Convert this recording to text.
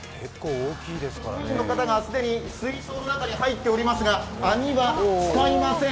職員の方が既に水槽の中に入っていますが網は使いません。